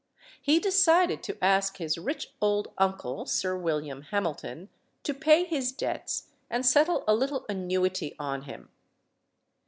He decided to ask his rich old uncle. Sir William Hamilton, to pay his debts and settle a little annuity on him.